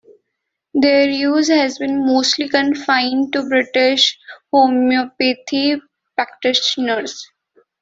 Their use has been mostly confined to British homeopathy practitioners.